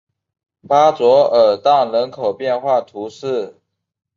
巴佐尔当人口变化图示